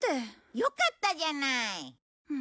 良かったじゃない！